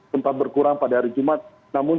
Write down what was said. sempat berkurang pada hari jumat namun